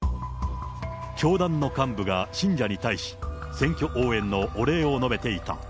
教団の幹部が信者に対し、選挙応援のお礼を述べていた。